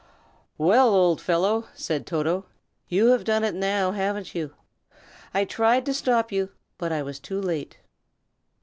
"Well, old fellow," said Toto, "you have done it now, haven't you? I tried to stop you, but I was too late."